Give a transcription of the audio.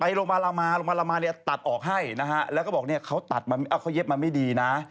ไปโรงพยาบาลลามาโรงพยาบาลลามาตัดออกให้นะฮะ